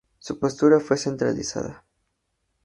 Su postura fue centralista.